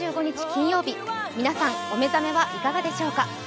金曜日、皆さんお目覚めはいかがでしょうか。